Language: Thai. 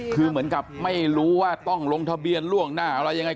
คือเหมือนกับไม่รู้ว่าต้องลงทะเบียนล่วงหน้าอะไรยังไง